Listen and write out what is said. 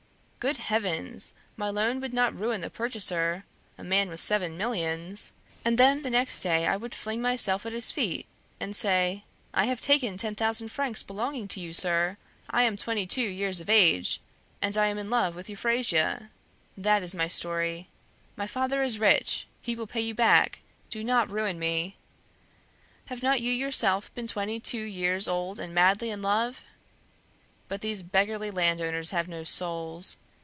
Good heavens! my loan would not ruin the purchaser, a man with seven millions! And then next day I would fling myself at his feet and say, 'I have taken ten thousand francs belonging to you, sir; I am twenty two years of age, and I am in love with Euphrasia that is my story. My father is rich, he will pay you back; do not ruin me! Have not you yourself been twenty two years old and madly in love?' But these beggarly landowners have no souls!